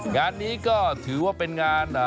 งานนี้ก็ถือว่าเป็นงาน